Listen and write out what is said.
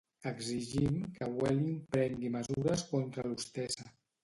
Exigim que Vueling prengui mesures contra l'hostessa